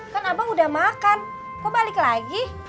kan abang udah makan kok balik lagi